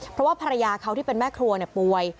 เพราะว่าภรรยาเขาที่เป็นแม่ครัวป่วย